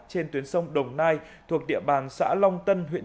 trên tuyến sông đồng nai thuộc địa bàn xã long tân